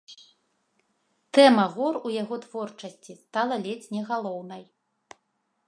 Тэма гор у яго творчасці стала ледзь не галоўнай.